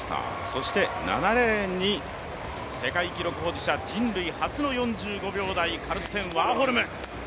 そして７レーンに世界記録保持者人類初の４５秒台カルステン・ワーホルム。